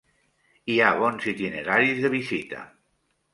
Hi ha bons itineraris de visita.